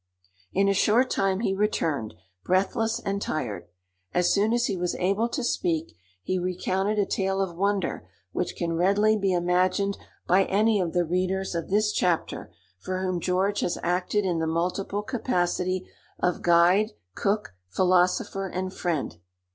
In a short time he returned, breathless and tired. As soon as he was able to speak, he recounted a tale of wonder which can readily be imagined by any of the readers of this chapter for whom George has acted in the multiple capacity of guide, cook, philosopher, and friend.